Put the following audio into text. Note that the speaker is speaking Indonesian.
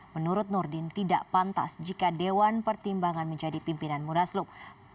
menurut nurdin tidak pantas jika dewan pertimbangan menjadi pimpinan munaslup